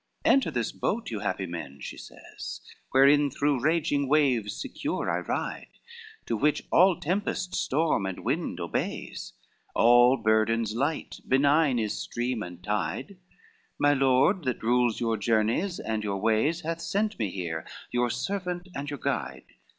VI "Enter this boat, you happy men," she says, "Wherein through raging waves secure I ride, To which all tempest, storm, and wind obeys, All burdens light, benign is stream and tide: My lord, that rules your journeys and your ways, Hath sent me here, your servant and your guide."